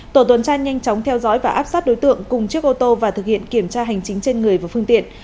tổ tuần tra nhanh chóng theo dõi và áp sát đối tượng cùng chiếc ô tô và thực hiện kiểm tra hành chính trên người và phương tiện